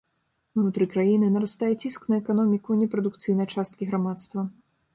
Унутры краіны нарастае ціск на эканоміку непрадукцыйнай часткі грамадства.